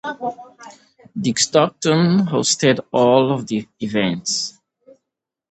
Dick Stockton hosted all of the events.